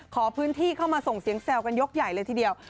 ขอพื้นที่เข้ามาส่งเสียงแซวกันยกใหญ่เลยทีเดียว